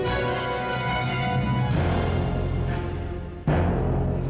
tak terlalu banyak terlalu banyak